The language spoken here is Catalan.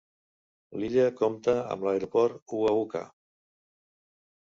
L'illa compta amb l'aeroport Ua Huka.